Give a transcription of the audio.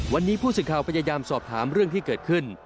วันนี้ผู้สื่อข่าวพยายามสอบถามเรื่องที่เกิดขึ้น